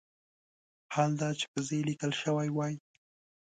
حال دا چې په "ز" لیکل شوی وای.